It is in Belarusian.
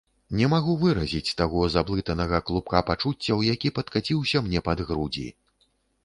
Не магу выразіць таго заблытанага клубка пачуццяў, які падкаціўся мне пад грудзі.